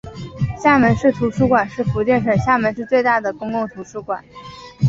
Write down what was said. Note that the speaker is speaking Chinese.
厦门市图书馆是福建省厦门市最大的公共图书馆。